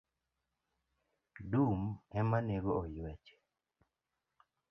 Dum ema nego oyuech.